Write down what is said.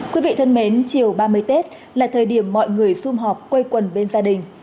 quý vị thân mến chiều ba mươi tết là thời điểm mọi người xung họp quây quần bên gia đình